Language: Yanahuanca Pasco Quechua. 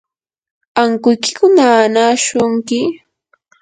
¿ankuykiku nanaashunki?